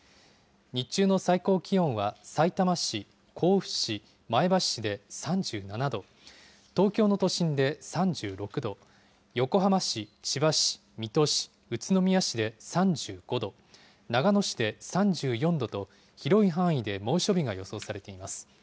日中の最高気温は、さいたま市、甲府市、前橋市で３７度、東京の都心で３６度、横浜市、千葉市、水戸市、宇都宮市で３５度、長野市で３４度と、広い範囲で猛暑日が予想されています。